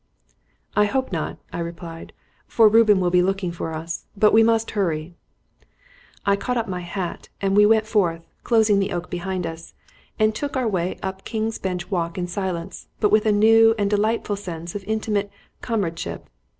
"I hope not," I replied, "for Reuben will be looking for us; but we must hurry." I caught up my hat, and we went forth, closing the oak behind us, and took our way up King's Bench Walk in silence, but with a new and delightful sense of intimate comradeship.